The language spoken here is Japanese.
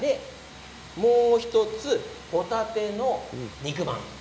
もう１つホタテの肉まんです。